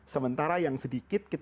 sementara yang sedikit